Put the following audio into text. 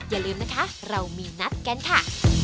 อย่าลืมนะคะเรามีนัดกันค่ะ